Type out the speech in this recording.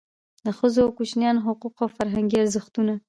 د ښځو او کوچنیانو حقوق او فرهنګي ارزښتونه.